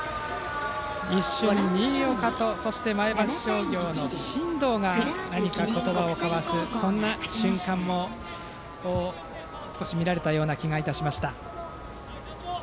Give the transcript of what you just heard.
一瞬、新岡と前橋商業の真藤が何か言葉を交わすそんな瞬間も少し見られたような気がいたしました。